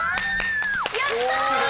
やった！